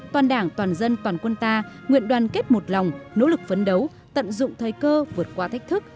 toàn đảng toàn dân toàn quân ta nguyện đoàn kết một lòng nỗ lực phấn đấu tận dụng thời cơ vượt qua thách thức